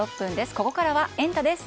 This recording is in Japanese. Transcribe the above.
ここからはエンタ！です。